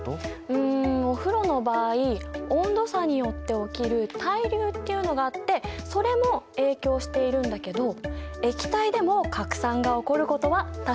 うんお風呂の場合温度差によって起きる対流っていうのがあってそれも影響しているんだけど液体でも拡散が起こることは確か！